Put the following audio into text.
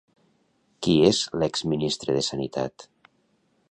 Qui és l'ex-ministre de Sanitat?